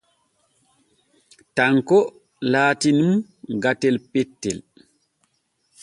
Tanko laati nun gatel pettel.